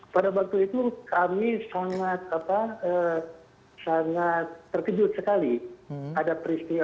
pada waktu itu kami sangat terkejut sekali